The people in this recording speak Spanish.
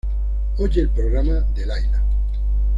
Oye el programa de Laila.